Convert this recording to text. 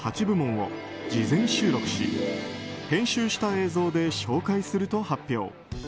８部門を事前収録し、編集した映像で紹介すると発表。